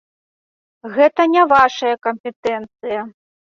Гэта не вашая кампетэнцыя!